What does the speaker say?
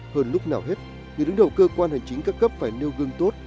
hơn lúc nào hết người đứng đầu cơ quan hành chính các cấp phải nêu gương tốt